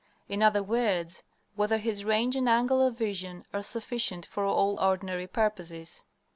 In other words, whether his range and angle of vision are sufficient for all ordinary purposes.